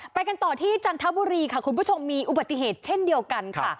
ไปกันต่อที่จันทบุรีค่ะคุณผู้ชมมีอุบัติเหตุเช่นเดียวกันค่ะ